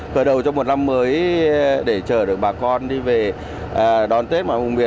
khởi đầu trong một năm mới để chờ được bà con đi về đón tết ngoài vùng biển